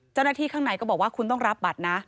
เจ้าหน้าที่ข้างในก็บอกว่าคุณต้องรับบัตรนะ